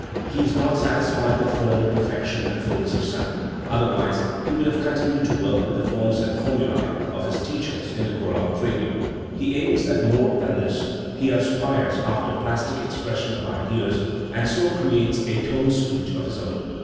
He is not satisfied with formal perfection and fulness of sound, otherwise he would have continued to work with the forms and formulae of his teachers in the chorale prelude. He aims at more than this; he aspires after the plastic ex pression of ideas, and so creates a tone speech of his own.